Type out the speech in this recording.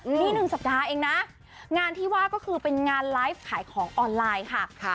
นี่หนึ่งสัปดาห์เองนะงานที่ว่าก็คือเป็นงานไลฟ์ขายของออนไลน์ค่ะ